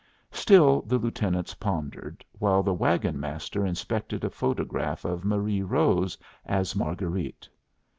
Still the lieutenants pondered, while the wagon master inspected a photograph of Marie Rose as Marguerite.